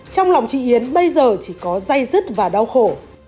trong lòng chị yến bây giờ chỉ có dây dứt và đau khổ